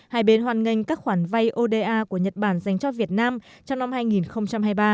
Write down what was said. hai bên hoàn nghênh các khoản vay oda của nhật bản dành cho việt nam trong năm hai nghìn hai mươi ba